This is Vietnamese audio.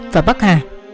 và bắc hà